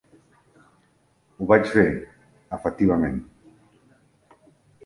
Ho vaig fer, efectivament.